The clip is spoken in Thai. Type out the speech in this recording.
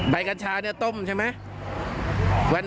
ใบกัญชาต้มใช่ไหม